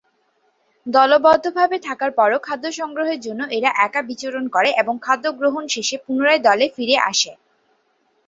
দলবদ্ধ ভাবে থাকার পরও খাদ্য সংগ্রহের জন্য এরা একা বিচরণ করে এবং খাদ্যগ্রহণ শেষে পুররায় দলে ফিরে আসে।